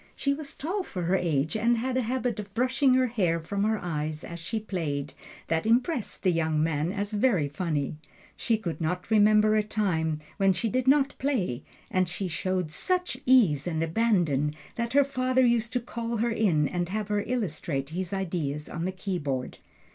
She was tall for her age, and had a habit of brushing her hair from her eyes as she played, that impressed the young man as very funny. She could not remember a time when she did not play: and she showed such ease and abandon that her father used to call her in and have her illustrate his ideas on the keyboard.